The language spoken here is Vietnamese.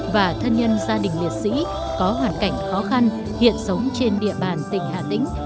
và thân nhân gia đình liệt sĩ có hoàn cảnh khó khăn hiện sống trên địa bàn tỉnh hà tĩnh